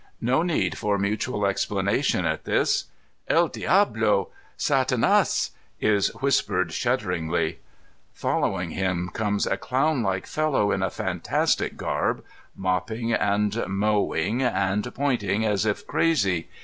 No need for mutual explanations at this. El Diablol Satandst'^ is whi^)ered shudderingly* Following him comes a down like fdlow in fantastic garb, mopping and mowing and pointing as if crazy.